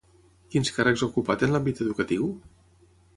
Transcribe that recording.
Quins càrrecs ha ocupat en l'àmbit educatiu?